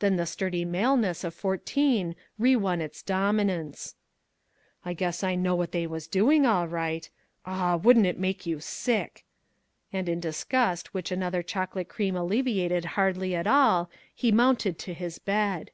Then the sturdy maleness of fourteen rewon its dominance. "Guess I know what they was doing, all right aw, wouldn't it make you sick!" And, in disgust which another chocolate cream alleviated hardly at all, he mounted to his bed.